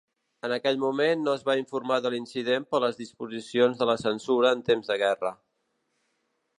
En aquell moment no es va informar de l'incident per les disposicions de la censura en temps de guerra.